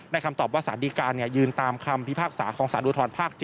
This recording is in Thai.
ได้คำตอบว่าสาธิกายนยืนตามคำพิพากษาของสาธุธรภาค๗